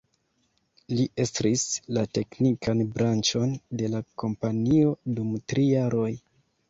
Li estris la teknikan branĉon de la kompanio dum tri jaroj.